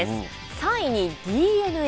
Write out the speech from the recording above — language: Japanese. ３位にＤｅＮＡ。